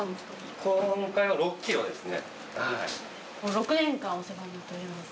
６年間お世話になっております。